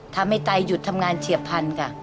ไตหยุดทำงานเฉียบพันธุ์ค่ะ